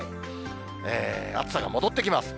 暑さが戻ってきます。